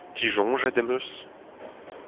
Disoñjet em eus !